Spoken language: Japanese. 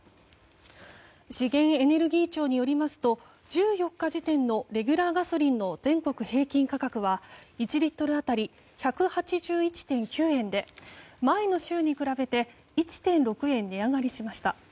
資源エネルギー庁によりますと１４日時点のレギュラーガソリンの全国平均価格は１リットル当たり１８１．９円で前の週に比べて１．６円値上がりしました。